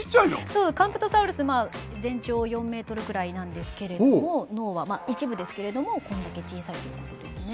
そうカンプトサウルスまあ全長４ｍくらいなんですけれども脳はまあ一部ですけれどもこれだけ小さいということですね。